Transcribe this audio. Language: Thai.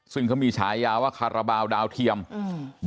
ซึ่งเขามีฉายาว่าคาราบาลดาวเทียมอืม